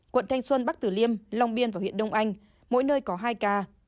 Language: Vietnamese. quận thanh xuân bắc tử liêm long biên và huyện đông anh mỗi nơi có hai ca